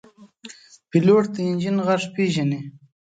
پیلوټ د انجن غږ پېژني.